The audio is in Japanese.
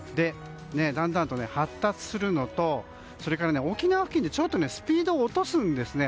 だんだんと発達するのとそれから、ちょっと沖縄付近でスピードを落とすんですね。